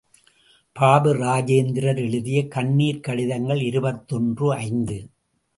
பாபு இராஜேந்திரர் எழுதிய கண்ணீர்க் கடிதங்கள் இருபத்தொன்று ஐந்து.